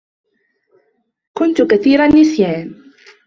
كنت كثير النّسيان.